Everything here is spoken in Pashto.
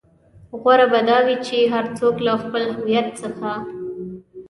غوره به دا وي چې هر څوک له خپل هويت څخه.